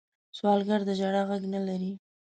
سوالګر د ژړا غږ نه لري